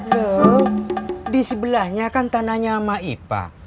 loh di sebelahnya kan tanahnya ama ipa